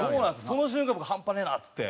その瞬間半端ねえなっつって。